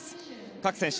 各選手